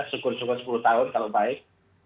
syukur syukur sepuluh tahun kalau baik